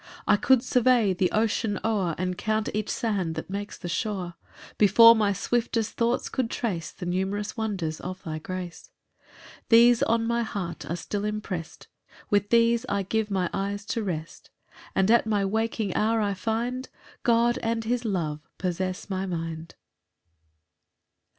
7 I could survey the ocean o'er, And count each sand that makes the shore, Before my swiftest thoughts could trace The numerous wonders of thy grace. 8 These on my heart are still impress'd, With these I give my eyes to rest; And at my waking hour I find God and his love possess my mind.